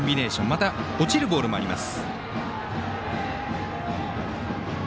また落ちるボールもあります。